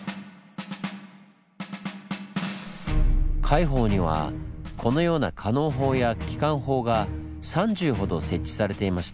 海堡にはこのような加農砲や機関砲が３０ほど設置されていました。